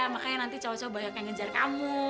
makanya nanti cowok cowok banyak yang ngejar kamu